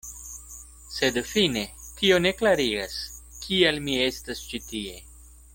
Sed fine tio ne klarigas, kial mi estas ĉi tie.